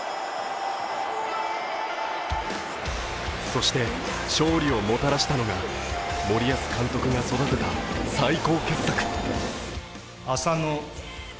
そして、勝利をもたらしたのが森保監督が育てた最高傑作。